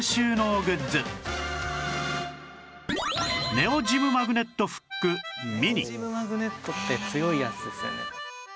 「ネオジムマグネットって強いやつですよね」